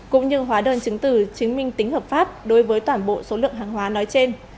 cũng như hóa đơn chứng tử chứng minh tính hợp pháp đối với toàn bộ số lượng hàng hóa nói trên